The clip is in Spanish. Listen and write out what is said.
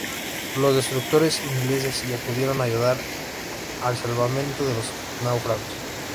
Los destructores ingleses y acudieron a ayudar al salvamento de los náufragos.